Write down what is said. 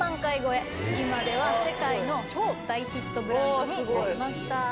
今では世界の超大ヒットブランドになりました。